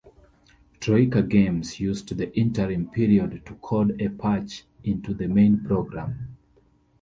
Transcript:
Troika Games used the interim period to code a patch into the main program.